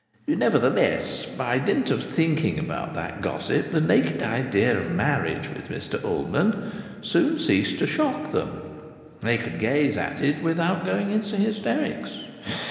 Nevertheless, by dint of thinking about that gossip, the naked idea of a marriage with Mr Ullman soon ceased to shock them. They could gaze at it without going into hysterics.